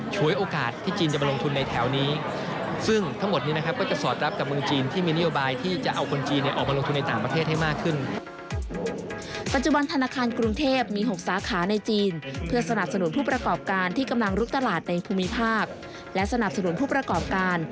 สวัสดีครับ